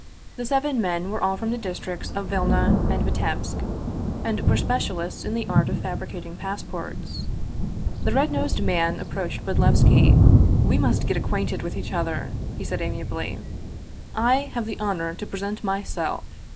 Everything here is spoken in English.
The seven men were all from the districts of Vilna and Vitebsk, and were specialists in the art of fabricating passports. The red nosed man approached Bodlevski :" We must get acquainted with each other," he said amiably. " I have the honor to present myself!"